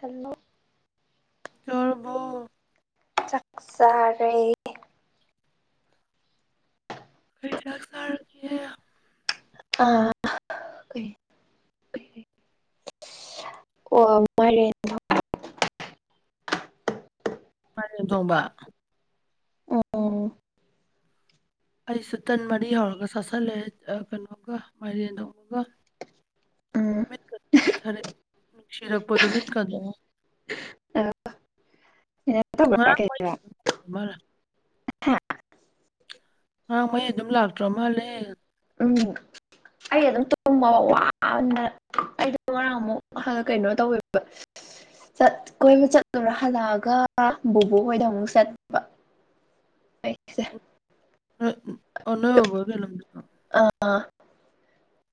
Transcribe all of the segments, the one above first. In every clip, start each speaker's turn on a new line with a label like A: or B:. A: ꯍꯦꯜꯦꯜꯂꯣ
B: ꯆꯣꯔꯕꯨ
A: ꯆꯥꯛ ꯆꯔꯦ
B: ꯀꯩ ꯆꯥꯛ ꯁꯥꯥꯔ ꯀ
A: ꯑ ꯑꯣ ꯃꯔ
B: ꯄꯔ ꯇꯣꯡꯕ
A: ꯎꯝ
B: ꯑꯩꯁꯨ ꯇꯟ ꯃꯔꯤ ꯍꯧꯔꯒ ꯆꯥꯥꯁꯜꯂꯦ ꯀꯩꯅꯣꯒ ꯃꯥꯏꯔꯦꯟꯗꯣꯡꯉꯒ
A: ꯎꯝ
B: ꯠ ꯃꯤꯊꯔꯦꯅꯨꯡꯁꯤꯔꯛꯄꯣꯗ ꯃꯤꯃꯤꯠ ꯀꯗꯣ
A: ꯑ
B: ꯑ
A: ꯍꯥ
B: ꯍꯥꯡ ꯃꯣꯏ ꯑꯗꯨꯝ ꯂꯥꯛꯇ꯭ꯔꯣ ꯃꯥꯜꯂꯦ
A: ꯎꯝ ꯑꯩ ꯑꯗꯨꯝ ꯇꯣꯡꯃꯕ ꯋꯥꯅ ꯑꯩꯗꯣ ꯉꯔꯥꯡ ꯑꯃꯨꯛ ꯀꯩꯅꯣ ꯇꯧꯋꯦꯕ ꯆꯠ ꯀꯣꯏꯕ ꯆꯠꯇꯂꯨꯔ ꯍꯜꯂꯛꯑꯒ ꯕꯣꯕꯣꯛ ꯈꯣꯏꯗ ꯑꯃꯨꯛ ꯆꯠꯂꯕ ꯑꯩꯁ
B: ꯑꯣꯟꯅ ꯍꯕꯒ ꯂꯝꯂꯝ
A: ꯑ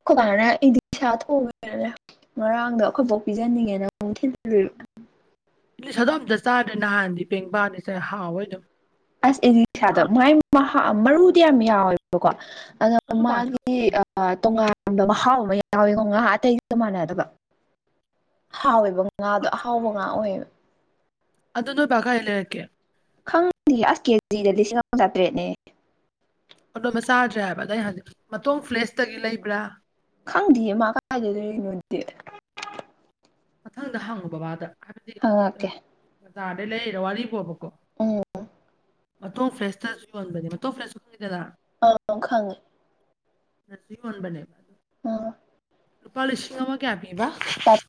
A: ꯀꯗꯥꯅ ꯏꯗꯤ ꯆꯉ ꯉꯔꯥꯡꯗ ꯑꯩꯈꯣꯏꯐꯥꯎ ꯄꯤꯖꯅꯤꯡꯉꯦꯅ ꯑꯃꯨꯛ ꯊꯤꯜ
B: ꯏꯠꯂꯤꯁ ꯑꯗꯨꯣ ꯑꯝꯇ ꯆꯥꯗ꯭ꯔꯦ ꯅꯍꯥꯟꯗꯤ ꯄꯦꯡꯕꯥꯅꯤꯁꯥꯏ ꯍꯥꯎꯋꯦ ꯑꯗꯨꯝ
A: ꯑꯁ
B: ꯑ,
A: ꯑꯦꯂꯤꯁꯥꯗꯣ ꯃꯥꯏ ꯃꯍꯥꯎ ꯃꯔꯨꯗꯤ ꯌꯥꯝ ꯌꯥꯎꯋꯦꯕꯀꯣ ꯑꯗꫭ
B: ꯑꯗꯨ ꯀꯃꯥꯏ
A: ꯃꯥꯒꯤ ꯑꯥ ꯇꯣꯉꯥꯟꯕ ꯃꯍꯥꯎ ꯑꯃ ꯌꯥꯎꯋꯀꯣ ꯉꯍꯥ ꯑꯇꯩꯒ ꯃꯥꯟꯅꯗꯕ ꯍꯥꯎꯋꯦꯕ ꯉꯥꯗꯣ ꯑꯍꯥꯎꯕ ꯉꯥ ꯑꯣꯏꯌꯦꯕ
B: ꯑꯗꯨ ꯅꫭꯏꯕ ꯀꯥꯏꯗ ꯂꯩꯔꯛꯀ‌ꯦ
A: ꯈꯪꯗꯤꯌ‌ꯦ ꯑꯁ ꯀꯦꯖꯤꯗ ꯂꯤꯁꯤꯡ ꯑꯃ ꯆꯥꯇ꯭ꯔꯦꯠꯅꯦ
B: ꯐꯃ [unintelligible] ꯆꯥꯗ꯭ꯔꯦ ꯍꯥꯏꯕ ꯑꯗꫭ ꯑꯩ ꯍꯥꯏꯗꯤ ꯃꯇꯣꯡ ꯐ꯭ꯂꯦꯁꯇꯒꯤ ꯂꯩꯕ꯭ꯔꯥ
A: ꯈꯪꯗꯤꯌꯦ ꯃꯥ ꯀꯥꯗꯥꯏꯗꯩꯔꯤꯅꯣꯗꯤ
B: ꯃꯊꯪꯗ ꯍꯪꯉꯨ ꯕꯕꯥꯗ ꯍꯥꯏꯕꯗꯤ
A: ꯍꯪꯉꯛꯀꯦ
B: ꯕꯖꯥꯔꯗꯩ ꯂꯩꯔ ꯋꯥꯔꯤ ꯕꫭꯕꯀꯣ
A: ꯎꯝ
B: ꯃꯇꯣꯡ ꯐ꯭ꯔꯦꯁꯇꯁꯨ ꯌꯣꯟꯕꯅꯤ ꯃꯇꯣ ꯐ꯭ꯔꯦꯁꯁꯨ ꯈꯪꯉꯤꯗꯅ
A: ꯑꯥꯎ ꯈꯪꯉꯦ
B: ꯑꯗꯗꯤ ꯌꫭꯟꯕꯅ‌ꯦꯕ
A: ꯑꯥ
B: ꯂꯨꯄꯥ ꯂꯤꯁꯤꯡ ꯑꯃ ꯀꯩꯌꯥ ꯄꯤꯕ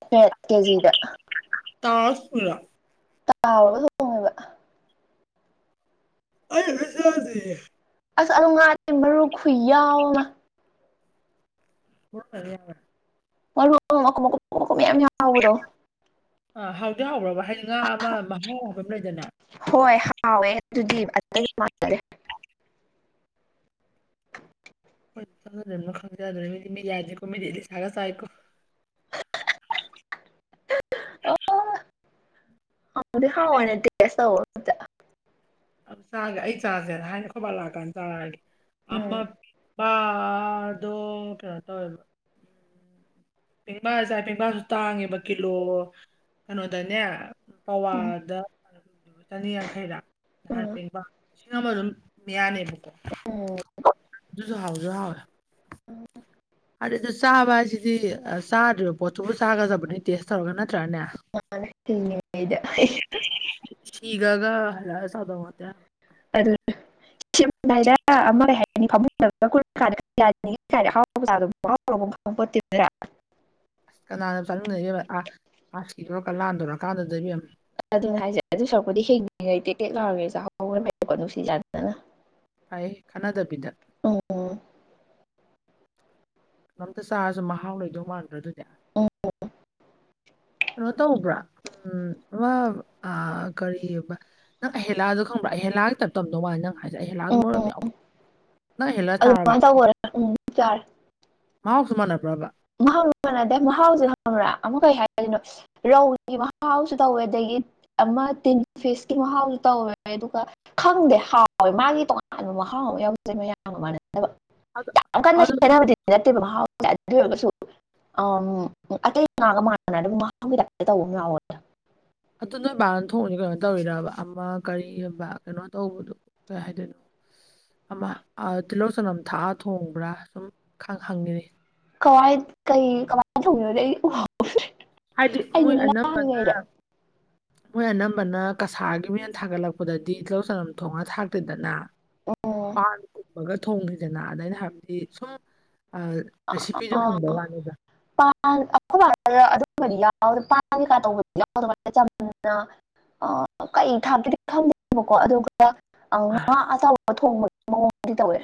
A: ꯆꯥꯇꯄꯦꯠ ꯀꯦꯖꯤꯗ
B: ꯇꯥꯎꯔ ꯊꫭꯡꯉꯤꯔꫭ
A: ꯇ [unintelligible]
B: ꯑꯩ ꯑꯃꯇꯥ ꯆꯗꯔꯤꯌ‌ꯦ
A: ꯑꯁ ꯑꯗꯨ ꯉꯥꯗꯤ ꯃꯔꯨ ꯈꯨꯨꯏ ꯌꯥꯎ ꯑꯃ
B: ꯀꯦ ꯌꯥ [unintelligible]
A: ꯃꯔꯨ ꯃꯀꯨꯞ ꯃꯀꯨꯞ ꯑꯣ [unintelligible] ꯃꯌꯥꯝ ꯌꯥꯎꯕꯗꯣ
B: ꯑ ꯍꯥꯎꯗꯤ ꯍꯥꯎꯕꯔꯥꯕ ꯍꯥꯏꯗꯤ ꯉꯥ ꯑꯃ ꯃꯍꯥꯎ ꯍꯥꯏꯕ ꯑꯃ ꯂꯩꯗꯅ
A: ꯍꯣꯏ ꯍꯥꯎꯋꯦ ꯑꯗꯨꯗꯤ ꯑꯇꯩ ꯃꯥꯟꯅꯗ‌‌ꯦ
B: ꯍꯣꯏ ꯆꯪꯖꯗꯔꯤꯃꯤꯅ ꯈꯪꯖꯗꯔ‌ꯦ ꯃꯤꯗꯤ ꯃꯤꯗꯤꯌꯥꯗ‌ꯦꯀꯣ ꯃꯤꯗꯤ ꯏꯂꯤꯁꯥꯒ ꯆꯥꯏꯀꯣ ꯎ [unintelligible]
A: ꯍꯥꯎ ꯍꯥꯎꯕꯅ‌ꯦ ꯇ‌ꯦꯁ ꯇꯧꯋꫭ
B: ꯆꯥꯒꯦ ꯑꯩ ꯆꯥꯁꯦꯅ ꯍꯥꯏꯅ‌ꯦ ꯑꯈꫭꯏꯕꯥ ꯂꯥꯛꯑꯀꯥꯟꯗ ꯆꯥꯔꯛꯑꯒꯦ ꯑꯃ
A: ꯎꯝ
B: [unintelligible] ꯗꯣ ꯀꯩꯅꫭ ꯇꯧꯋ‌ꯦꯕ ꯄꯦꯡꯕꯥꯁꯨ ꯄꯦꯡꯕꯥꯁꯨ ꯇꯥꯡꯉꯦꯕ ꯀꯤꯂꯣ ꯀꯩꯅꯣꯗꯅꯦ
A: ꯎꯝ
B: ꯄꯋꯥꯗ ꯆꯅꯤꯌꯥꯡꯈꯩꯔꯥ ꯍꯥꯟ ꯄꯦꯡꯕ ꯂꯤꯁꯤꯡ ꯑꯃ ꯑꯗꯨꯝ ꯃꯌꯥꯅꯦꯕꯀꯣ
A: ꯎꯝ
B: ꯑꯗꯨꯁꯨ ꯍꯥꯎꯁꯨ ꯍꯥꯎꯋꯦ
A: ꯎꯝ
B: ꯑꯗꯨꯗ ꯆꯥꯕ ꯍꯥꯏꯁꯤꯗꯤ ꯆꯥꯗ꯭ꯔꯤꯕ ꯄꯣꯠꯇꯨꯕꯨ ꯆꯥꯒꯗꯕꯅꯤ ꯇꯦꯁ ꯇꯧꯔꯒ ꯅꯠꯇ꯭ꯔꯅꯦ
A: ꯃꯥꯅꯉꯗ [unintelligible]
B: ꯁꯤꯒꯔꯒ ꯍꯥꯜꯂꯛꯑ ꯆꯗꯧ ꯅꯠꯇ‌ꯦ ꯍꯥꯏꯕ
A: ꯑꯗꯨ ꯁꯤ ꯍꯥꯏꯔ ꯍꯥꯏ [unintelligible] ꯀ ꯑꯗꯨ ꯄꯥꯎꯠꯇ [unintelligible]
B: ꯑꯁ ꯀꯅꯥꯅꯣ ꯆꯠꯅꯤꯡꯗꯣꯏꯅꫭ ꯑꯥ ꯑꯥ ꯁꯤꯗꫭꯔꯥ ꯀꯥꯟ ꯂꯥꯟꯗꯣꯔ ꯀꯥꯟꯗꯨꯗ ꯏꯕ‌ꯦꯝꯃ
A: ꯑꯗꯨꯅ‌ꯦ ꯍꯥꯏꯁꯦ ꯑꯗꯨ ꯁꯔꯛꯄꯗꯤ ꯍꯤꯡꯉꯩ ꯇꯦꯛ ꯇꯦꯛ ꯂꯥꯎꯔꯤꯉꯩ ꯆꯥꯍꯧꯕꯅꯥ ꯐꯩꯀꫭ ꯅꯨꯡꯁꯤ ꯆꯥꯟꯅꯅ
B: ꯐꯩ ꯈꯥꯟꯟꯅꯗꯕꯤꯗ
A: ꯎꯝ
B: ꯀꯩꯅꫭꯝꯇ ꯆꯥꯔꯁꯨ ꯃꯍꯥꯎ ꯂꯩꯗꯧ ꯃꯥꯟꯗ꯭ꯔꯥ ꯑꯗꯨꯗꯤ
A: ꯎꯝ
B: ꯀꯩꯅꯣ ꯇꯧꯕ꯭ꯔꯥ ꯎꯝ ꯑꯃ ꯑ ꯀꯔꯤꯕ ꯅꯪ ꯑꯍꯦꯂꯥꯗꯣ ꯈꯪꯕ꯭ꯔꯥ ꯑꯍꯦꯂꯥꯒꯤ ꯇꯥꯏꯞ ꯇꯧꯔꯝꯗꯧ ꯃꯥꯂꯤ ꯅꯪ ꯍꯥꯏ __ꯑꯩꯍꯦꯜꯂꯗꯨ
A: ꯎꯝ
B: ꯃꯔꯨ ꯌꯥꯝ
A: ꯎꯝ
B: ꯌꯥꯎꯕ ꯅꯪ ꯍꯦꯜꯂꯛꯑ ꯆꯥꯔꯕ
A: ꯑꯗꯨꯃꯥꯏꯅ ꯇꯧꯕꯔ ꯎꯝ ꯆꯔ‌ꯦ
B: ꯃꯥꯍꯥꯎꯁꯨ ꯃꯥꯟꯅꯕꯔꯥꯕꯥ
A: ꯃꯍꯥꯎꯗꯤ ꯃꯥꯟꯅꯗꯦ ꯃꯍꯥꯎꯁꯦ ꯍꯪꯕ꯭ꯔꯥ ꯑꯃꯨ ꯀꯩ ꯍꯥꯏꯗꫭꯏꯅꯣ ꯔꯧꯒꯤ ꯃꯍꯥꯎꯁꯨ ꯇꯧꯋꯦ ꯑꯗꯒꯤ ꯑꯃ ꯇꯤꯟ ꯐꯤꯁꯀꯤ ꯃꯍꯥꯎꯁꯨ ꯇꯧꯋꯦ ꯑꯗꯨꯒ ꯈꯪꯗꯦ ꯍꯥꯎꯋꯦ ꯃꯥꯒꯤ ꯇꯣꯉꯥꯟꯕ ꯃꯍꯥꯎ ꯑꯃ ꯌꯥꯎꯖꯩ ꯃꯌꯥꯝ ꯃꯌꯥꯝꯒ ꯃꯥꯟꯅꯗꯕ
B: ꯑꯗꯨ
A: ꯌꯥꯝ ꯀꯟꯅ
B: ꯑꯗꯨ
A: ꯈ‌ꯦꯠꯅꯕꯗꯤ ꯅꯠꯇꯦꯕ ꯃꯍꯥꯎꯖ‌ꯦ ꯑꯗꯨ ꯑꯣꯏꯔꯒꯁꯨ ꯑ ꯑꯇꯩ ꯉꯥꯒ ꯃꯥꯟꯅꯅ ꯑꯗꯨꯝ ꯃꯍꯒꯤ ꯇꯥꯏꯞꯇ ꯇꯧꯕ ꯑꯃ ꯌꯥꯎꯋꯗ
B: ꯑꯗꯨ ꯅꯣꯏ ꯕꯥꯅ ꯊꯣꯡꯉꯁ ꯀꯩꯅꯣ ꯇꯧꯔꯤꯔꯕ ꯑꯃ ꯀꯔꯤꯒꯨꯝꯕ ꯀꯩꯅꯣ ꯇꯧꯕꯗꯣ ꯀꯥꯏ ꯍꯥꯏꯗꯣꯏꯅꯣ ꯑꯃ ꯇꯤꯜꯍꯧ ꯆꯅꯝ ꯊꯥꯛꯑ ꯊꯣꯡꯕ꯭ꯔꯥ ꯁꯨꯝ ꯍꯪꯉꯅꯤ
A: ꯀꯏ ꯀꯩ ꯀꯣ
B: ꯍꯥꯏꯗꯤ ꯃꯣꯏ ꯑꯅꯝꯕꯅ ꯃꯣꯏ ꯑꯅꯝꯕꯅ ꯀꯁꯥꯔꯒꯤ ꯃꯦꯟ ꯊꯥꯒꯠꯂꯛꯄꯗꯗꯤ ꯇꯤꯍꯧ ꯆꯅꯝ ꯊꯣꯡꯉꯒ ꯊꯥꯛꯇꯦꯗꯅ ꯄꯥꯟꯒꯨꯝꯕꯒ ꯊꯣꯡꯉꯗꯅ ꯑꯗ ꯑꯩꯅ ꯍꯥꯏꯕꯗꯤ ꯁꯨꯝ ꯔꯦꯁꯤꯄꯤꯗꯣ ꯍꯪꯕ
A: ꯑ
B: ꯋꯥꯅꯤꯗ
A: ꯑꯗꯨꯝꯕꯗꯤ ꯌꯥꯎꯥ ꯇꯧꯕꯗꯤ ꯌꯥ ꯑꯗꯨꯃꯥꯏꯅ ꯑ ꯀꯩ ꯊꯥꯕꯗꯤ ꯈꯪꯗ ꯀꯣ ꯑꯗꯨꯒ ꯉꯥ ꯑꯆꯕ ꯊꯣꯡꯕꯒꯤ ꯃꯑꯣꯡꯗꯤ ꯇꯧꯋꯦ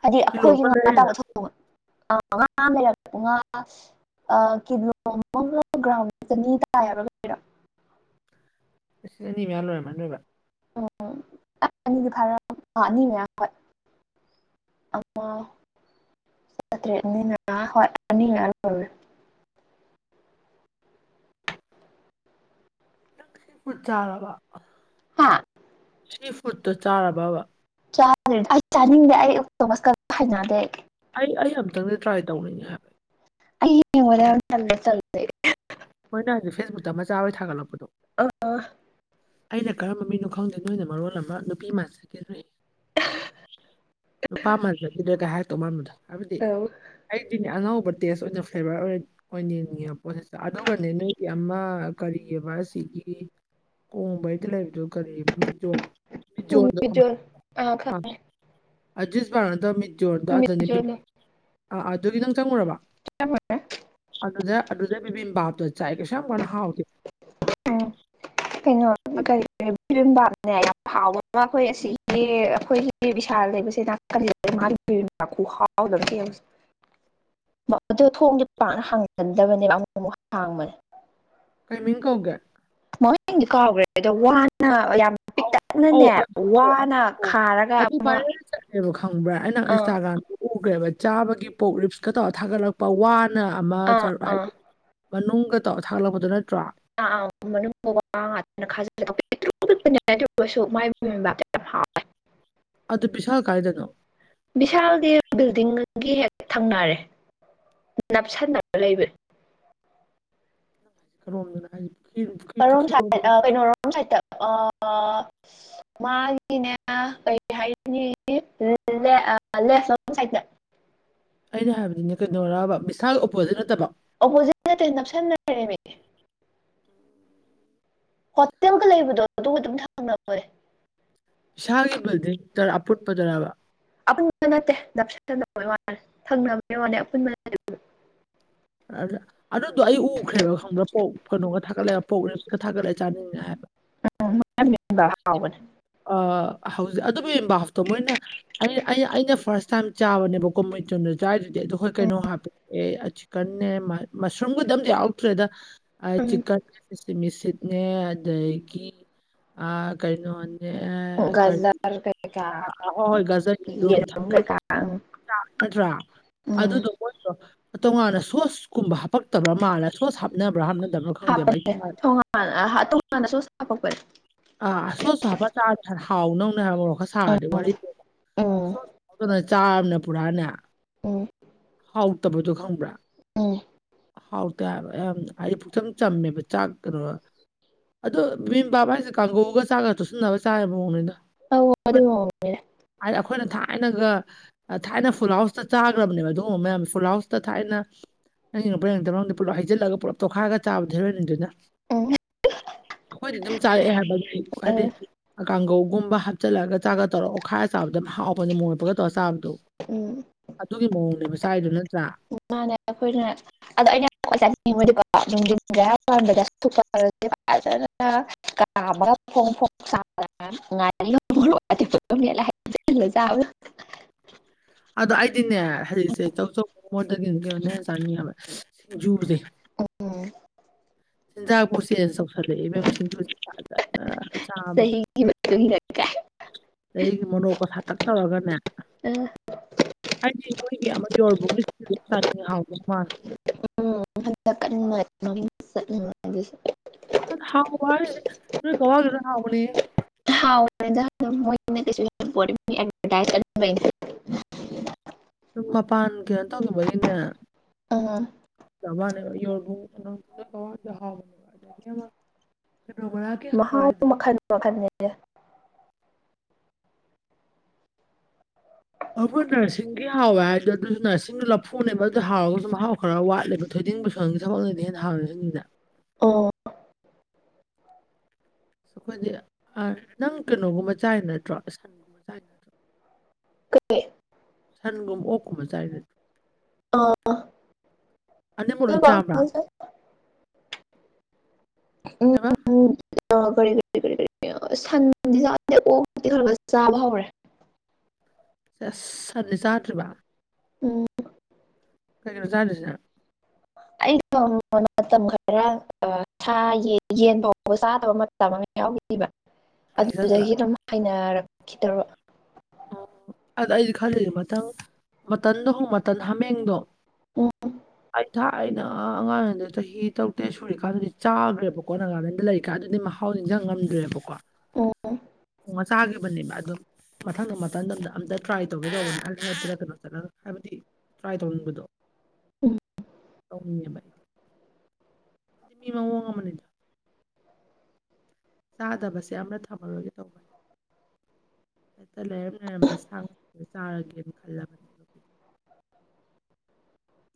A: ꯍꯥꯏꯗꯤ
B: ꯀꯤꯂꯣ
A: ꯑꯩꯈꯣꯏꯒꯤ
B: ꯑꯃ
A: ꯉꯥ ꯑ ꯇꯥꯕ
B: ꯂꯩꯔꯤꯔ
A: ꯊꯧꯗꯣꯛ ꯑ ꯉꯥ ꯑꯃ ꯂꯩꯔꯨꯡ ꯉꯥ ꯀꯤꯂꯣ ꯑꯃ ꯒ꯭ꯔꯥꯎꯟ ꯆꯅꯤ ꯇꯥꯔꯔꯥ
B: ꯅꯤ ꯌꯥꯜꯔ ꯃ ꯂꯣꯏꯕ
A: ꯎꯝ ꯑꯅꯤꯗꯤ ꯐꯥꯔ ꯑ ꯑꯅꯤ ꯃꯌꯥꯝ ꯍꯣꯏ ꯑꯃ ꯆꯥꯇ꯭ꯔꯦꯠꯅꯤꯅ ꯍꯣꯏ ꯑꯅꯤ ꯉ ꯂꯧꯔꯦ
B: ꯄꯨ ꯆꯥꯔꯕ
A: ꯍꯥꯥ
B: ꯊ꯭ꯔꯤ ꯐꯨꯗꯠꯇꯣ ꯆꯥꯔꯕꯕ
A: ꯥꯗ꯭ꯔꯦ ꯑꯩ ꯆꯥꯅꯤꯡꯗꯦ ꯑꯩꯛꯇꯣꯃꯁ ꯈ ꯍꯅꯗꯦ ꯑꯩ
B: ꯑꯩ ꯑꯩ ꯑꯝꯇꯪꯗꯤ ꯇ꯭ꯔꯥꯏ ꯇꯧꯅꯤꯡꯉꯦ ꯍꯥꯏꯕ
A: ꯑꯩ ꯃꯅꯦ ꯆꯦ ꯆ
B: ꯍꯣꯏꯅ ꯍꯧꯖꯤꯛ ꯐꯦꯁꯕꯨꯛꯇ ꯃꯆꯥ ꯍꯣꯏ ꯊꯥꯒꯠꯂꯛꯄꯗꯣ
A: ꯑ
B: ꯑꯩꯅ ꯀꯔꯝꯕ ꯃꯤꯅꯣ ꯈꯪꯗꯦ ꯅꯣꯏꯅ ꯃꯔꯣꯜ ꯑꯃ ꯅꯨꯄꯤ ꯃꯥꯟ ꯆꯀꯗꯣꯦ ꯅꯨꯄꯥ ꯃꯜ ꯆꯈꯤꯗ꯭ꯔꯦꯒ ꯍꯥꯏꯔꯛꯇꯧ ꯃꯥꯟꯕꯗꯣ ꯍꯥꯏꯕꯗꯤ ꯑꯩꯗꯨꯗꯤ ꯑꯅꯧꯕ ꯇꯦꯁ ꯑꯣꯏꯅ ꯐ꯭ꯂꯦꯚꯔ ꯑꯣꯏꯅ ꯑꯣꯏꯅꯤꯡꯉꯦꯕ ꯄꯣꯠꯁꯤ ꯑꯗꯨꯒꯅꯦ ꯅꯣꯏꯒꯤ ꯑꯃ ꯀꯔꯤꯑꯕ ꯁꯤꯒꯤ ꯀꯣꯡꯕꯏꯇ ꯂꯩꯕꯤꯖꯣ ꯀꯔꯤ ꯃꯤꯖꯖꯗ ꯑꯖꯤ ꯄꯔꯅꯗ ꯃꯤꯃꯤ ꯔꯗ ꯑꯗꯨꯅꯤ ꯑꯥ ꯑꯗꯨꯒꯤ ꯅꯪ ꯆꯪꯉꯨꯔꯕ ꯑꯗꯨꯗ ꯑꯗꯨꯗ ꯄꯤꯕꯤ ꯕꯥꯕ ꯇ ꯆꯥꯏ ꯀꯁꯅ ꯍꯥꯎ
A: ꯀꯩꯅ
B: ꯑꯗ
A: ꯀꯔꯤ ꯏꯔꯝꯕꯥꯝꯅꯦ ꯌꯥꯝ ꯍꯥꯎꯕ ꯑꯃ ꯑꯩꯈꯣꯏ ꯑꯁꯤꯒꯤ ꯑꯩꯈꯣꯏꯒꯤ ꯕꯤꯚꯤꯁꯥꯜ ꯂꯩꯕꯕꯁꯤꯦꯅ ꯃꯥ ꯄꯤ ꯍꯥꯎꯗ
B: [inaudible]
A: ꯑꯗꯨꯣ ꯊꯣꯡꯁꯦ ꯄꯥꯛꯅ ꯍꯥꯡꯒꯟꯗꯕꯅꯦꯕ ꯑꯃꯨꯛ ꯑꯃꯨꯛ ꯍꯥꯡꯕꯅꯦ
B: ꯀꯩꯃꯤꯡ ꯀꯧꯒꯦ
A: ꯃꯣꯏꯗꯤ ꯀꯥꯎꯈ꯭ꯔꯦ ꯑꯗꯣ ꯋꯥꯅ ꯌꯥꯝ
B: ꯑꯥꯎ ꯑꯧ
A: ꯄꯤꯛꯇꯛꯅꯅꯦ
B: ꯑꯗꯨ
A: ꯋꯥꯅ
B: ꯑꯗꯨ
A: ꯈꯥꯔꯒ
B: ꯑꯗꯨ
A: ꯑꯃ
B: ꯄꯚꯥꯏꯔꯦꯜ ꯆꯠꯂꯦꯕ ꯈꯪꯕ꯭ꯔꯥ ꯑꯩꯅ
A: ꯑꯥ
B: ꯏꯟꯁꯇꯥꯒ꯭ꯔꯥꯝ ꯎꯈ꯭ꯔꯦꯕ ꯆꯥꯕꯒꯤ ꯄꯣꯛ ꯂꯤꯞꯁꯀ ꯇꯧꯔꯒ ꯊꯥꯒꯠꯂꯛꯄ ꯋꯥꯅ
A: ꯑꯥ
B: ꯑꯃꯔꯨ
A: ꯑꯥ
B: ꯍꯥꯏꯗꯤ ꯃꯅꯨꯡꯗ ꯇꯧꯔ ꯊꯥꯒꯠꯂꯛꯄꯗꯨꯣ ꯅꯠꯇ꯭ꯔꯣ
A: ꯑꯥ ꯑꯥ ꯉꯇꯥꯖꯤꯂꯁꯨ ꯃꯥꯏꯇ ꯌꯥꯝ ꯍꯥꯎꯦ
B: ꯑ ꯑꯗꯨ ꯄꯤꯁꯥꯜ ꯀꯥꯏꯗꯅꯣ
A: ꯕꯤꯚꯤꯁꯥꯜꯒꯤ ꯕꯤꯜꯗꯤꯡꯒꯤ ꯍꯦꯛ ꯊꯪꯅꯔꯦ ꯅꯥ ꯁꯥꯥꯟꯅꯕ ꯂꯩꯕꯨ
B: ꯔꯝꯅ ꯍꯥꯏ
A: ꯀꯔꯣꯝ ꯁꯥꯏꯠ ꯀꯩꯅꯣ ꯔꯣꯡ ꯁꯥꯏꯗꯠꯇ ꯃꯥꯒꯤꯅꯦ ꯀꯔꯤ ꯍꯥꯏꯒꯅꯤ [unintelligible] ꯁꯥꯏꯠꯇ
B: ꯑꯩꯅ ꯍꯥꯏꯕꯗꯤꯅꯦ ꯀꯩꯅꯣꯔꯕ ꯚꯤꯁꯥꯜꯒꯤ ꯑꯣꯄꯣꯖꯤꯠ ꯅꯠꯇꯕ
A: ꯑꯣꯄꯣꯖꯤꯠ ꯅꯠꯇꯦ ꯅꯞꯁꯟꯅꯔꯦꯃꯤ ꯍꯣꯇꯦꯜꯒ ꯂꯩꯕꯗꯣ ꯑꯗꯨꯒ ꯑꯗꯨꯝ ꯊꯪꯅꯕꯅꯤ
B: ꯏꯁꯥꯒꯤ ꯕꯤꯜꯗꯤꯡꯗꯔ ꯑꯄꯨꯟꯕꯗꯨꯔꯕ
A: ꯑꯄꯨꯟꯕ ꯅꯠꯇꯦ ꯅꯞꯁꯤꯅꯕꯒꯤ ꯋꯥꯂꯦ ꯊꯪꯅꯕꯒꯤ ꯋꯥꯅꯦ ꯑꯄꯨꯟꯕ [unintelligible]
B: ꯑꯗꯨꯗꯣ ꯑꯩ ꯎꯈ꯭ꯔꯦꯕ ꯈꯪꯕ꯭ꯔꯕ ꯄꯣꯛ ꯀꯩꯅꯣꯒ ꯊꯥꯒꯠꯂꯛꯦ ꯄꯣꯛ ꯔꯦꯞꯀ ꯊꯥꯠꯂꯦ ꯆꯥꯅꯤꯡꯉꯦ ꯍꯥꯏꯕ
A: ꯎꯝ [unintelligible] ꯍꯥꯎꯕꯅꯦ
B: ꯑ ꯍꯧꯖꯤꯛ ꯑꯗꯨꯕꯨꯕꯥꯞꯇꯣ ꯃꯣꯏꯅ ꯑꯩ ꯑꯩꯅ ꯐꯥꯔꯁ ꯇꯥꯏꯝ ꯆꯥꯕꯅꯦꯕ ꯀꯣ ꯃꯩꯆꯨꯗꯣ ꯆꯥꯏꯔꯤꯗꯨꯗꯤ ꯑꯗꯣ ꯍꯣꯏ ꯀꯩꯅꯣ ꯍꯥꯞꯄ ꯀꯟꯅꯦ ꯃꯁꯔꯨꯝꯒꯗꯤ ꯑꯝ ꯌꯥꯎꯔꯛꯇ꯭ꯔꯦꯗ
A: ꯎꯝ
B: ꯆꯤꯛꯀꯟꯅꯦ [unintelligible] ꯑꯗꯒꯤ ꯀꯩꯅꯣ
A: ꯒꯖꯔ ꯀꯩ ꯀ
B: ꯑ, ꯍꯣꯏ ꯍꯣꯏ ꯒꯖꯔ ꯊ-
A: ꯌꯦꯔꯨꯝ ꯀꯩ ꯀꯥ
B: ꯅꯠꯇ꯭ꯔꯥ ꯑꯗꯨꯗꯣ ꯃꯣꯏꯗꯣ ꯇꯣꯉꯥꯟꯅ ꯁꯣꯁꯀꯨꯝꯕ ꯍꯥꯞꯄꯛꯇꯕ꯭ꯔꯥ ꯃꯥꯜꯂ ꯁꯣꯁ ꯍꯥꯞꯅꯕ꯭ꯔꯥ ꯍꯥꯞꯅꯗꯕ꯭ꯔꯥ ꯈꯪꯗꯦꯕ ꯑꯩ
A: ꯍꯥꯞꯄꯅꯦ
B: ꯆꯥ-
A: ꯇꯣꯉꯥꯟꯅ ꯇꯣꯉꯥꯟꯅꯁꯨ ꯍꯥꯞꯄꯛꯄꯅꯦ
B: ꯑꯥ ꯁꯣꯠꯁꯨ ꯍꯥꯞꯄꯥ ꯆꯥꯔꯗꯤ ꯈꯔ ꯍꯥꯎꯗꯧꯅꯦ ꯍꯥꯏꯕ ꯃꯔꯣꯛ ꯈꯔ ꯁꯥꯔꯗꯤ ꯋꯥꯔꯤꯗꯨ
A: ꯎꯝ
B: ꯁꯣꯠ ꯑꯗꯨꯅ ꯆꯥꯔꯕꯅꯤꯅ ꯄꯨꯔꯥꯅꯦ ꯍꯥꯎꯇꯕꯗꯣ ꯈꯪꯕ꯭ꯔꯥ
A: ꯎꯝ
B: ꯍꯥꯎꯇꯦ ꯍꯥꯏꯕ ꯌꯥꯝꯅ ꯍꯥꯏꯗꯤ ꯄꯨꯛꯆꯝ ꯆꯝꯃꯦꯕ ꯆꯥꯛ ꯀꯩꯅꯣ ꯑꯗꯣ ꯕꯤꯝ ꯕꯥꯞ ꯍꯥꯏꯁꯦ ꯀꯥꯡꯍꯧꯒ ꯆꯥꯛꯒ ꯇꯣꯠꯁꯤꯟꯅꯔꯒ ꯆꯥꯕꯩ ꯃꯑꯣꯡ ꯅꯤꯗ
A: ꯑꯣ ꯑꯗꯨ [unintelligible]
B: ꯍꯥꯏꯗꯤ ꯑꯩꯈꯣꯏꯅ ꯊꯥꯏꯅꯒ ꯊꯥꯏꯅ ꯐꯨꯜꯍꯥꯎꯁꯇ ꯆꯥꯈ꯭ꯔꯕꯅꯦꯕ ꯑꯗꯨꯒꯨꯝꯕ ꯃꯌꯥꯝꯁꯦ ꯐꯨꯜꯍꯥꯎꯁꯇ ꯊꯥꯏꯅ ꯑꯪ ꯌꯦꯡꯉꯛꯄ ꯌꯦꯡꯉꯛꯇꯕ ꯈꯪꯗꯦ ꯄꯨꯂꯞ ꯍꯩꯖꯜꯂꯒ ꯄꯨꯂꯞ ꯇꯣꯠꯈꯥꯏꯔꯒ ꯆꯥꯕꯗꯤ ꯍꯔꯣꯏꯅꯤꯗꯨꯅ
A: ꯎꯝ
B: ꯑꯩꯈꯣꯏꯗꯤ ꯑꯗꯨꯝ ꯆꯥꯔꯛꯑꯦ ꯍꯥꯏꯕ ꯍꯥꯏꯗꯤ ꯀꯥꯡꯒꯧꯒꯨꯝꯕ ꯍꯥꯞꯆꯤꯜꯂꯒ ꯆꯥꯛꯀ ꯇꯧꯔ ꯑꯣꯠꯈꯥꯏꯔ ꯆꯥꯕꯗꯣ ꯌꯥꯝ ꯍꯥꯎꯕꯅ ꯃꯣꯔꯣꯛ ꯃꯦꯠꯄꯒ ꯇꯧꯔ ꯆꯥꯕꯗꯣ
A: ꯎꯝ
B: ꯑꯗꯨꯒꯤ ꯃꯑꯣꯡꯅꯦꯕ ꯆꯥꯏꯗꯨ ꯅꯠꯇ꯭ꯔ
A: ꯑꯣ ꯃꯥꯅꯦ ꯑꯩꯈꯣꯏꯅ ꯑꯗꯣ ꯑꯩꯅ [unintelligible] ꯐꯖꯅ ꯀꯥꯝꯃꯒ ꯐꯣꯡ ꯐꯣꯡ [unintelligible] [unintelligible]
B: ꯑꯗꯣ ꯑꯩꯗꯤꯅꯦ ꯍꯧꯖꯤꯛꯁꯦ ꯆꯧꯆꯧ ꯃꯣꯃꯣꯗꯒꯤ ꯀꯩꯅꯣꯅ ꯍꯦꯟꯅ ꯆꯥꯅꯤꯡꯉꯦꯕ ꯁꯤꯡꯖꯨꯁꯦ
A: ꯑꯝ
B: ꯆꯤꯟꯖꯥꯛꯄꯧ ꯆꯦꯟꯖ ꯇꯧꯁꯜꯂꯛꯑꯦ ꯏꯕꯦꯝ ꯁꯤꯡꯖꯨ [unintelligible]
A: ꯁꯍꯤꯒꯤ [unintelligible] [unintelligible]
B: ꯑꯗꯒꯤ ꯃꯣꯔꯣꯛꯀ ꯁꯥꯇꯛ ꯊꯧꯔꯒꯅꯦ
A: ꯑ
B: ꯍꯥꯏꯗꯤ ꯃꯣꯏꯒꯤ ꯑꯃ [unintelligible]
A: [unintelligible]
B: [unintelligible] ꯍꯥꯎꯕꯅꯤꯍꯦ
A: ꯍꯥꯎꯕꯅꯤꯗ [unintelligible]
B: ꯃꯄꯥꯟ ꯀꯩꯅꯣ ꯇꯧꯈꯤꯕꯒꯤꯅꯦ
A: ꯑꯥ
B: [unintelligible]
A: ꯃꯍꯥꯎ
B: ꯍꯥꯏꯗꯣ
A: ꯃꯈꯜ ꯃꯈꯜꯅꯦ
B: ꯑꯩꯈꯣꯏ ꯅꯔꯁꯤꯡꯒꯤ ꯍꯥꯎꯋꯦ ꯍꯥꯏꯗꯣ ꯑꯗꯨꯁꯨ ꯅꯔꯁꯤꯡ ꯂꯐꯨꯅꯦꯕ ꯑꯗꯨ ꯍꯥꯎꯔꯒꯁꯨ ꯃꯍꯥꯎ ꯈꯔ ꯋꯥꯠꯂꯦꯕ ꯊꯣꯏꯗꯤꯡ ꯕꯦꯁꯣꯟꯒꯤ ꯊꯕꯛꯅꯗꯤ ꯍꯦꯟꯅ ꯍꯥꯎꯔꯤ ꯁꯤꯡꯁꯤꯅ
A: ꯑꯣ
B: ꯑꯁ ꯑꯩꯈꯣꯏꯗꯤ ꯅꯪ ꯀꯩꯅꯣꯒꯨꯝꯕ ꯆꯥꯏ ꯅꯠꯇ꯭ꯔꯣ [unintelligible] ꯅꯠꯇ꯭ꯔꯣ
A: ꯀꯩ
B: ꯁꯟꯒꯨꯝ ꯑꯣꯀꯨꯝꯕ ꯆꯥꯏ ꯅꯠ
A: ꯑ
B: ꯑꯅꯤꯃꯛ ꯂꯣꯏ
A: ꯎꯝ
B: ꯆꯥꯕ꯭ꯔꯥ ꯀꯩꯕ
A: ꯎꯝ ꯑ ꯀꯔꯤ ꯀꯔꯤ ꯀꯔꯤ ꯀꯔꯤ ꯑꯁ ꯁꯟꯗꯤ ꯆꯥꯗꯦ ꯑꯣꯛꯇꯤ ꯈꯔ ꯈꯔ ꯆꯥꯕ ꯍꯧꯔꯦ
B: ꯑꯁ ꯁꯟꯗꯤ ꯆꯥꯗ꯭ꯔꯤꯕ
A: ꯎꯝ
B: ꯀꯩꯀꯩꯅꯣ ꯆꯥꯗꯣꯏꯁꯤꯅ
A: ꯑꯩꯗꯣ ꯃꯇꯝ ꯈꯔ ꯑ ꯁꯥ ꯌꯦꯟ ꯌꯦꯟ ꯐꯥꯎꯕ ꯆꯥꯗꯕ ꯃꯇꯝ ꯑꯃ ꯌꯥꯎꯔꯤꯕ
B: ꯀꯩꯒꯤ ꯆꯥꯗ꯭ꯔꯤꯕ
A: ꯑꯗꯨꯗꯒꯤ ꯑꯗꯨꯝ ꯍꯩꯅꯔꯛꯈꯤꯗꯔꯣꯕ
B: ꯑꯣ ꯑꯗ ꯑꯩꯗꯤ ꯈꯜꯂꯤ ꯃꯊꯪ ꯃꯇꯟꯗꯨꯕꯨ ꯃꯇꯟ ꯍꯃꯦꯡꯗꯣ
A: ꯎꯝ
B: ꯑꯩ ꯊꯥ ꯑꯩꯅ ꯑꯉꯥꯡꯑꯣꯏꯉꯩꯗ ꯆꯍꯤ ꯇꯔꯨꯛꯇꯦꯠ ꯁꯨꯔꯤꯀꯥꯟꯗꯨꯗꯤ ꯆꯥꯒ꯭ꯔꯦꯕꯀꯣ ꯅꯒꯥꯂꯦꯟꯗ ꯂꯩꯔꯤꯀꯥꯟ ꯗꯨꯗꯤ ꯃꯍꯥ ꯍꯥꯎ ꯅꯤꯡꯖꯥꯡ ꯉꯝꯗ꯭ꯔꯦꯕꯀꯣ
A: ꯑꯣ
B: ꯑꯣꯉꯥ ꯆꯥꯒꯤꯕꯅꯦꯕ ꯑꯗꯨꯝ ꯃꯊꯪꯗꯣ ꯃꯇꯟꯗꯗ ꯑꯝꯇ ꯇ꯭ꯔꯥꯏ ꯇꯧꯒꯦ ꯇꯧꯕꯅꯤ ꯑꯜ ꯍꯜꯌꯥꯠꯇꯔ ꯀꯩꯅꯣ ꯆꯠꯂꯒ ꯍꯥꯏꯕꯗꯤ ꯇ꯭ꯔꯥꯏ ꯇꯧꯅꯤꯡꯕꯗꯣ
A: ꯎꯝ
B: ꯇꯧꯅꯤꯡꯉꯦꯕ ꯑꯩ ꯃꯤ ꯃꯥꯑꯣꯡ ꯑꯃꯅꯤꯗ ꯆꯥꯗꯕꯁꯦ ꯑꯃ ꯊꯝꯃꯔꯣꯏꯒꯦ ꯇꯧꯕꯅꯦ ꯍꯦꯛꯇ ꯂꯩꯔꯝ ꯂꯩꯔꯝꯕ ꯁꯥ ꯉꯗ ꯆꯥꯔꯒꯦꯅ ꯈꯜꯂꯕꯅꯦꯕ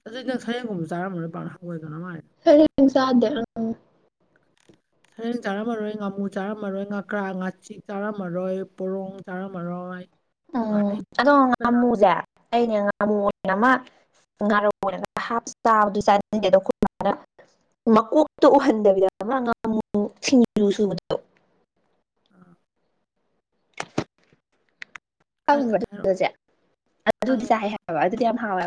B: ꯑꯗꯨꯗꯤ ꯅꯪ ꯁꯔꯦꯡꯒꯨꯝꯕ ꯆꯥꯔꯝꯃꯔꯣꯏ ꯄꯥꯛꯅ ꯍꯪꯒꯣꯏꯒꯟꯕ ꯃꯥꯜꯂꯤ
A: ꯁꯔꯦꯡ ꯆꯥꯗꯦ ꯑꯪ
B: ꯁꯔꯦꯡ ꯆꯥꯔꯝꯃꯔꯣꯏ ꯉꯥꯃꯨ ꯆꯥꯔꯝꯃꯔꯣꯏ ꯉꯀ꯭ꯔꯥ ꯉꯥꯆꯤꯛ ꯆꯥꯔꯝꯃꯔꯣꯏ ꯄꯣꯔꯣꯡ ꯆꯥꯔꯝꯃꯥꯔꯣꯏ
A: ꯎꯝ ꯑꯗꯣ ꯉꯥꯃꯨꯖꯦ ꯑꯩꯅꯦ ꯉꯥꯃꯨ ꯑꯣꯏꯅ ꯑꯃ ꯉꯥꯔꯧ ꯑꯣꯏꯅ ꯍꯥꯞ ꯆꯥꯕ ꯆꯥꯅꯤꯡꯗꯦ ꯑꯗꯣ ꯑꯩꯈꯣꯏꯃꯥꯅ ꯃꯀꯣꯛꯇꯨ ꯎꯍꯟꯗꯕꯤꯗ ꯑꯃ ꯉꯥꯃꯨ ꯁꯤꯡꯖꯨ ꯁꯨꯕꯥꯗꯣ
B: ꯑꯥ
A: ꯈꯪꯕ꯭ꯔ
B: ꯈꯪꯉꯦ
A: ꯑꯗꯨ
B: ꯍꯥꯏꯔꯛꯑꯣ
A: ꯆꯦ ꯑꯗꯨꯗꯤ ꯆꯥꯏ ꯍꯥꯏ ꯍꯥꯏꯕ ꯑꯗꯨꯗꯤ ꯌꯥꯝ ꯍꯥꯎꯋꯦꯕ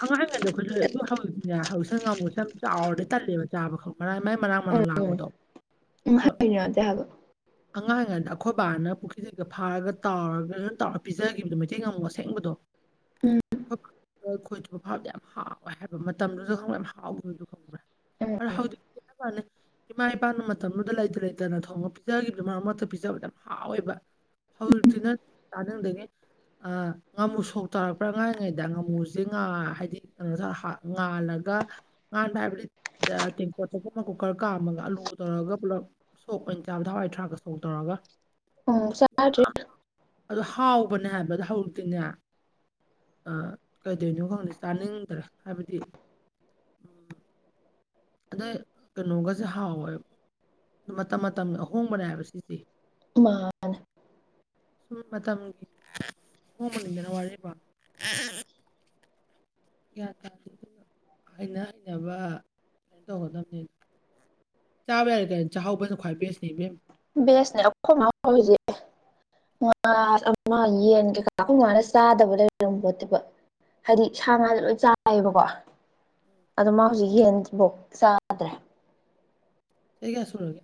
B: ꯑꯉꯥꯡ ꯍꯪꯉꯤꯗꯦ ꯑꯩꯈꯣꯏꯗꯤ ꯑꯗꯨ ꯍꯧꯖꯤꯛꯇꯤꯅꯦ ꯍꯧꯖꯤꯛꯁꯪ ꯉꯃꯨꯁꯦ ꯌꯥꯝ ꯆꯥꯎꯔꯗꯤ ꯇꯜꯂꯦꯕ ꯆꯥꯕ ꯈꯛ ꯃꯔꯥꯡ ꯃꯥꯏ ꯃꯔꯥꯡ ꯃ
A: ꯎꯝ ꯎꯝ
B: ꯂꯥꯡꯉꯗꯣ
A: ꯎꯝ
B: ꯑꯗꯣ
A: ꯍꯩꯅꯗꯦ ꯍꯥꯏꯕ
B: ꯑꯉꯥꯡꯑꯣꯏꯉꯩꯗ ꯑꯩꯈꯣꯏ ꯕꯥꯅ ꯄꯨꯈ꯭ꯔꯤꯗꯩꯒ ꯐꯥꯔꯒ ꯇꯥꯎꯔꯒ ꯇꯔ ꯄꯤꯖꯒꯤꯕꯗꯣ ꯃꯩꯇꯩ ꯉꯃꯨ ꯑꯁꯦꯡꯕꯗꯣ
A: ꯎꯝ
B: ꯈꯣꯏꯊꯨꯔ ꯐꯥꯕꯗꯣ ꯌꯥꯝ ꯍꯥꯎꯋꯦ ꯍꯥꯏꯕ ꯃꯇꯝꯗꯨꯖꯨ ꯈꯪꯕ꯭ꯔꯦ ꯌꯥꯝ ꯍꯥꯎꯒꯤꯕꯗꯨ ꯈꯪꯕ꯭ꯔꯦ
A: ꯎꯝ
B: ꯑꯗꯣ ꯍꯥꯎꯖꯤꯛ ꯃꯥꯅꯦ ꯏꯃꯥ ꯏꯄꯥꯅ ꯃꯇꯝꯗꯨꯗ ꯂꯩꯇ ꯂꯩꯇꯅ ꯊꯣꯡꯉ ꯄꯤꯖꯈꯤꯕꯗꯨ ꯃꯔꯛ ꯃꯔꯛꯇ ꯄꯤꯖꯕꯗ ꯌꯥꯝ ꯍꯥꯎꯋꯦꯕ ꯍꯧꯖꯤꯛꯇꯤ ꯅ ꯆꯥꯅꯤꯡꯗꯅꯤ ꯑ ꯉꯥꯃꯨ ꯁꯣꯛ ꯇꯥꯔꯛꯄ꯭ꯔꯥ ꯉꯥꯡꯔꯤꯉꯩꯗ ꯉꯥꯃꯨꯁ ꯖꯦ ꯉꯥ ꯍꯥꯏꯗꯤ [unintelligible] ꯉꯥꯜꯂꯒ ꯉꯥꯟꯕ ꯍꯥꯏꯕꯗꯤ ꯆ ꯇꯦꯡꯀꯣꯠ ꯆꯀꯣꯅ ꯀꯨꯀꯔ ꯀꯥꯝꯃꯒ ꯑꯂꯨ ꯇꯧꯔꯒ ꯄꯨꯂꯞ ꯁꯣꯛ ꯑꯣꯏꯅ ꯆꯥꯕꯗꯣ ꯍꯋꯥꯏꯊꯔꯥꯛꯀ ꯁꯣꯛ ꯇꯧꯔꯒ
A: ꯎꯝ ꯆꯥꯗ꯭ꯔꯤ
B: ꯑꯗꯨ ꯍꯥꯎꯕꯅꯦ ꯍꯥꯏꯕꯗ ꯍꯧꯔꯛꯇꯤꯅꯦ ꯑ ꯀꯩꯗꯣꯏꯅꯣ ꯈꯪꯗꯦ ꯆꯥꯅꯤꯡꯗ꯭ꯔꯦ ꯍꯥꯏꯕꯗꯤ ꯎꯝ ꯑꯗꯩ ꯀꯩꯅꯣꯒꯁꯦ ꯍꯥꯎꯋꯦꯕ ꯑꯗꯨ ꯃꯇꯝ ꯃꯇꯝꯒꯤ ꯑꯍꯣꯡꯕꯅꯦ ꯍꯥꯏꯕ ꯁꯤꯗꯤ
A: ꯃꯥ
B: ꯁꯨꯝ ꯃꯇꯝꯒꯤ ꯑꯍꯣꯡꯕꯅꯤꯗꯅ ꯋꯥꯔꯤꯕ ꯒ꯭ꯌꯥꯟ ꯇꯥꯗꯦ ꯑꯗꯨꯒ ꯍꯩꯅ ꯍꯩꯅꯕ ꯀꯩꯅꯣ ꯇꯧꯒꯗꯕꯅꯤꯅ ꯆꯥꯕ ꯌꯥꯔꯤ ꯀꯩꯅꯣ ꯆꯥꯍꯧꯕꯅ ꯈ꯭ꯋꯥꯏ ꯕꯦꯁꯅꯤ ꯏꯕꯦꯝꯃ
A: ꯕꯦꯁꯅꯦ ꯑꯈꯣꯃꯥ ꯍꯧꯖꯤꯛ [unintelligible] ꯑꯃ ꯌꯦꯟ ꯀꯩꯀꯥ ꯑꯈꯣꯃꯥꯅ ꯆꯥꯗꯕ ꯂꯩꯔꯝꯕꯣꯠꯇꯦꯕ ꯍꯥꯏꯗꯤ ꯁꯥ ꯉꯥꯁꯨ ꯂꯣꯏ ꯆꯥꯏꯌꯦꯕꯀꯣ ꯑꯗꯣ ꯃꯥ ꯍꯧꯖꯤꯛ ꯌꯦꯟꯖꯤꯚꯧ ꯆꯥꯗ꯭ꯔꯦ
B: ꯆꯍꯤ ꯀꯌꯥ ꯁꯨꯔꯒꯦ